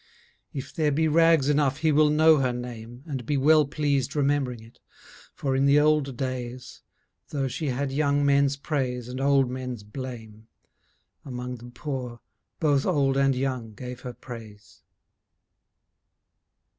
If there be rags enough he will know her name And be well pleased remembering it, for in the old days, Though she had young men's praise and old men's blame, Among the poor both old and young gave her praise.